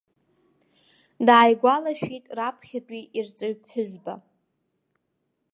Дааигәалашәеит раԥхьатәи ирҵаҩ ԥҳәызба.